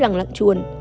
lặng lặng chuồn